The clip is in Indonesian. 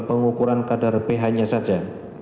pengukuran kadar ph nya saja